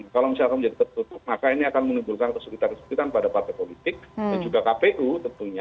kalau misalkan menjadi tertutup maka ini akan menimbulkan kesulitan kesulitan pada partai politik dan juga kpu tentunya